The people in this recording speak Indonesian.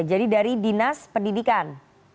jadi dari dinas pendidikan